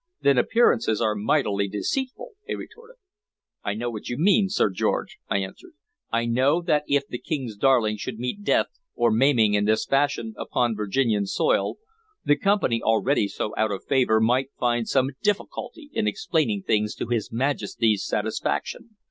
"Then appearances are mightily deceitful," he retorted. "I know what you mean, Sir George," I answered. "I know that if the King's darling should meet death or maiming in this fashion, upon Virginian soil, the Company, already so out of favor, might find some difficulty in explaining things to his Majesty's satisfaction.